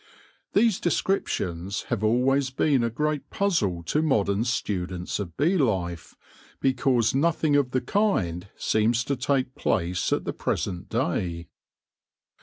These descriptions have always been a great puzzle to modern students of bee life, because nothing of the kind seems to take place at the present day.